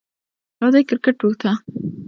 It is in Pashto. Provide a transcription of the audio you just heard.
راځئ کریکټ ته!